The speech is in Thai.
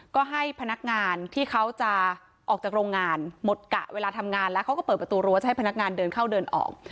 ก็ให้พนักงานที่เขาจะออกจากโรงงานหมดกะเวลาทำงานแล้วเขาก็เปิดประตูรั้วจะให้พนักงานเดินเข้าเดินออก